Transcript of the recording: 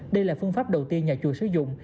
đây là phương pháp đầu tiên nhà chùa sử dụng